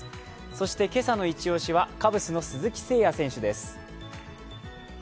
そして今朝のイチ押しはカブスの鈴木誠也選手です。